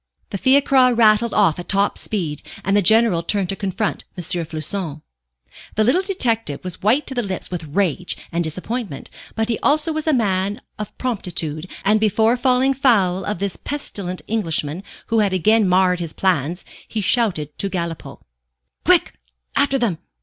The fiacre rattled off at top speed, and the General turned to confront M. Floçon. The little detective was white to the lips with rage and disappointment; but he also was a man of promptitude, and before falling foul of this pestilent Englishman, who had again marred his plans, he shouted to Galipaud "Quick! After them!